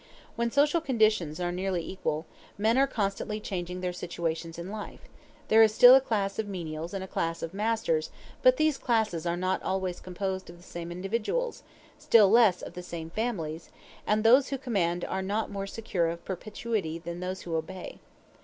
When social conditions are nearly equal, men are constantly changing their situations in life: there is still a class of menials and a class of masters, but these classes are not always composed of the same individuals, still less of the same families; and those who command are not more secure of perpetuity than those who obey.